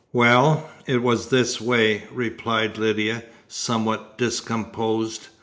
"Well, it was this way," replied Lydia, somewhat discomposed.